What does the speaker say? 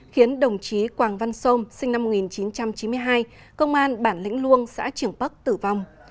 khiến đồng chí quảng văn sôm sinh năm một nghìn chín trăm chín mươi hai công an bản lĩnh luông xã trường bắc tử vong